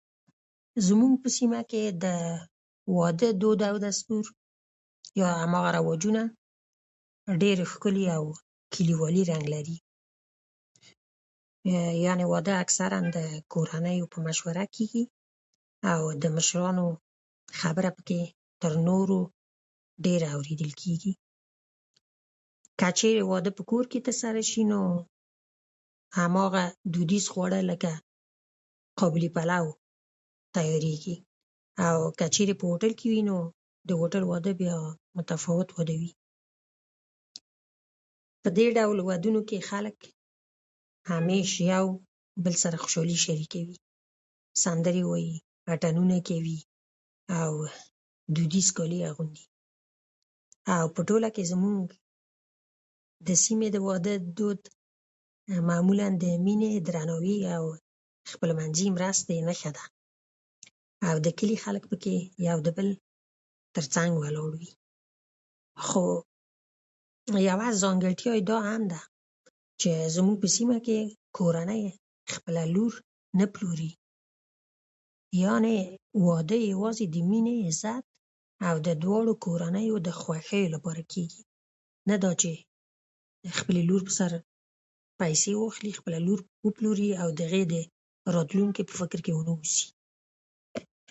زموږ په سیمه کې د واده دود او دستور او هماغه رواجونه په ډېر ښکلي او کلیوالي رنګ لري. یعنې واده اکثراً د کورنیو په مشوره کېږي، او د مشرانو خبره پکې د نورو ډېره اورېدل کېږي. که چېرې واده په کور کې ترسره شي، نو هماغه دودیز خواړه لکه قابلي پلو تیارېږي، او که چېرې په هوټل کې بیا نو د هوټل واده متفاوت وي. په دې ډول ودونو کې خلک همېشه یو بل سره خوشالي شریکوي، سندرې وايي، اتڼونه کوي او دودیز کالي اغوندي. او په ټوله کې زموږ د سیمې د واده دود معمولاً د مینې، درناوي او خپلمنځي مرستې نښه ده، او د کلي خلک پکې یو د بل تر څنګ ولاړ وي. خو یوه ځانګړتیا یې دا هم ده چې زموږ په سیمه کې کورنۍ خپله لور نه پلوري. یعنې واده یوازې د مینې، عزت او دواړو کورنیو د خوښیو لپاره کېږي، نه دا چې د خپلې لور پر سر پیسې واخلي، خپله لور وپلوري او د هغې د راتلونکي په فکر کې ونه اوسي.